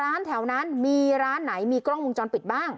พาไปดูกล้องวงจรปิดหน่อยร้านแถวนั้นมีกล้องวงจรปิดไหนบ้าง